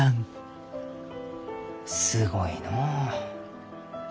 すごいのう。